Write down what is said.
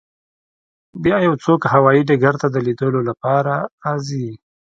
بیا یو څوک هوایی ډګر ته د لیدو لپاره راځي